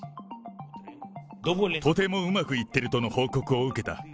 とてもうまくいってるとの報告を受けた。